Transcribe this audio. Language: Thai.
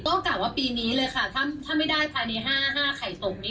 โอกาสว่าปีนี้เลยค่ะถ้าไม่ได้ภาณี๕๕ไข่ตกนี้